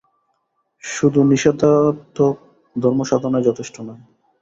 শুধু নিষেধাত্মক ধর্মসাধনাই যথেষ্ট নয়।